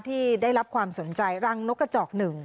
ที่ได้รับความสนใจรังนกกระจอกหนึ่ง